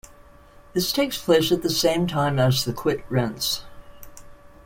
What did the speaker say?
This takes place at the same time as the Quit Rents.